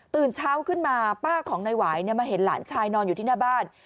เช้าขึ้นมาป้าของนายหวายมาเห็นหลานชายนอนอยู่ที่หน้าบ้าน